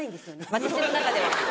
私の中では。